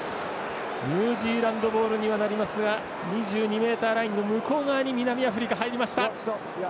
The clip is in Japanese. ニュージーランドボールにはなりますが２２ｍラインの向こう側に南アフリカ、入りました。